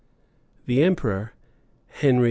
The emperor, Henry IV.